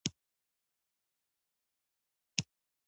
مریم له ښکلا سره شپږ کاله وروسته ولیدل.